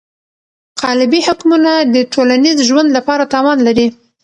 قالبي حکمونه د ټولنیز ژوند لپاره تاوان لري.